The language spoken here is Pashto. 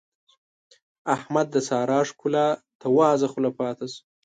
احمد د سارا ښکلا ته وازه خوله پاته شو.